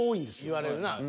言われるなぁ。